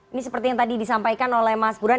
ini seperti yang tadi disampaikan oleh mas buran